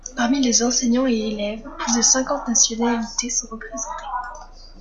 Parmi les enseignants et élèves, plus de cinquante nationalités sont représentées.